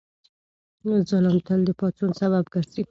ظلم تل د پاڅون سبب ګرځي.